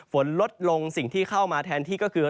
ฝนลดลงสิ่งที่เข้ามาแทนที่ก็คือ